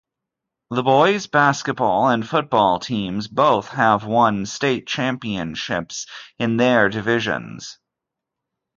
The boys basketball and football teams both have won state championships in their divisions.